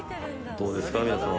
どうですか、皆さん。